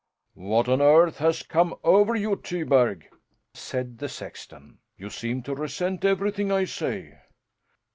"What on earth has come over you, Tyberg?" said the sexton. "You seem to resent everything I say."